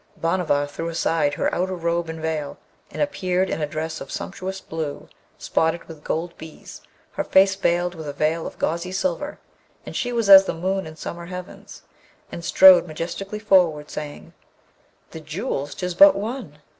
Bhanavar threw aside her outer robe and veil, and appeared in a dress of sumptuous blue, spotted with gold bees; her face veiled with a veil of gauzy silver, and she was as the moon in summer heavens, and strode mar jestically forward, saying, 'The jewels? 'tis but one.